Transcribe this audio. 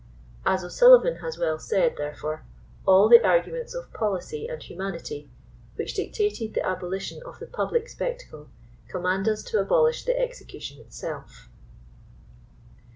As O'Suliivan has well said, therefore, " all the arguments of policy and humanity which dictated the abo lition of the public spectacle, command us to abolish the exe cution itself."